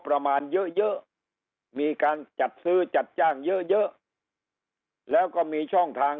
ประมาณเยอะเยอะมีการจัดซื้อจัดจ้างเยอะเยอะแล้วก็มีช่องทาง